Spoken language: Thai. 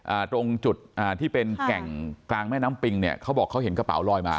ตรงจุดอ่าที่เป็นแก่งกลางแม่น้ำปิงเนี่ยเขาบอกเขาเห็นกระเป๋าลอยมา